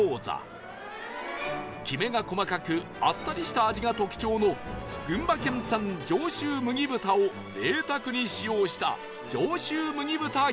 きめが細かくあっさりした味が特徴の群馬県産上州麦豚を贅沢に使用した